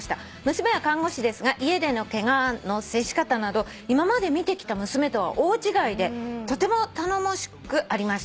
「娘は看護師ですが家でのケガの接し方など今まで見てきた娘とは大違いでとても頼もしくありました」